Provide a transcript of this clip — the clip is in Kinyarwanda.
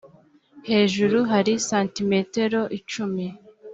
hejuru hari sentimetero icumi.